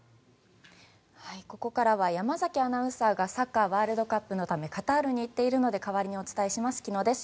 ここからは山崎アナウンサーがサッカーワールドカップのためカタールに行っているので代わりにお伝えします。